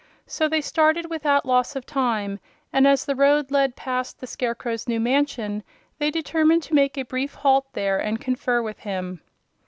So they started without loss of time, and as the road led past the Scarecrow's new mansion they determined to make a brief halt there and confer with him.